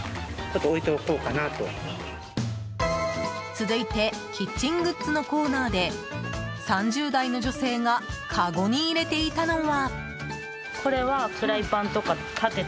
続いてキッチングッズのコーナーで３０代の女性がかごに入れていたのは。